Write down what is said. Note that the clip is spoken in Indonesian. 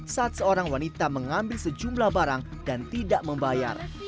saat seorang wanita mengambil sejumlah barang dan tidak membayar